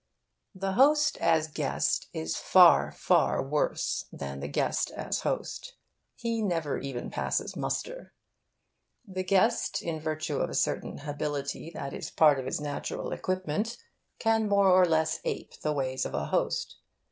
The host as guest is far, far worse than the guest as host. He never even passes muster. The guest, in virtue of a certain hability that is part of his natural equipment, can more or less ape the ways of a host.